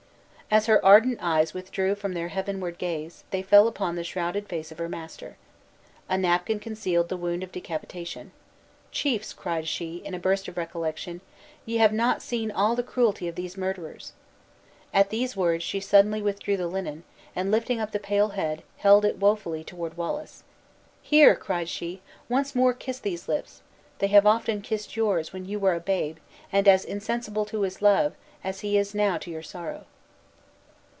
As her ardent eyes withdrew from their heavenward gaze, they fell upon the shrouded face of her master. A napkin concealed the wound of decapitation. "Chiefs," cried she, in a burst of recollection, "ye have not seen all the cruelty of these murderers!" At these words she suddenly withdrew the linen, and lifting up the pale head, held it wofully toward Wallace. "Here," cried she, "once more kiss these lips! They have often kissed yours, when you were a babe; and as insensible to his love, as he is now to your sorrow."